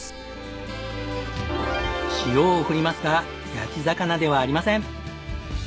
塩を振りますが焼き魚ではありません！